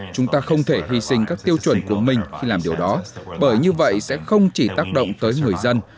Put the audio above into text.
chúng ta không thể hy sinh các tiêu chuẩn của mình khi làm điều đó bởi như vậy sẽ không chỉ tác động tới người dân